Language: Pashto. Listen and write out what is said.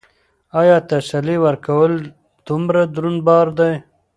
ایا تسلي ورکول دومره دروند بار دی؟